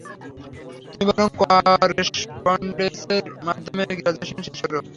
তুমি বরং করেসপন্ডেন্সের মাধ্যমে গ্রাজুয়েশন শেষ করো।